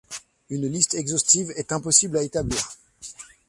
Une liste exhaustive est impossible à établir.